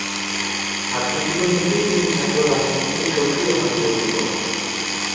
ছাত্র জীবন থেকেই তিনি ছাত্র রাজনীতিতে সক্রিয়ভাবে জড়িয়ে পড়েন।